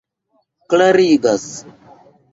klarigas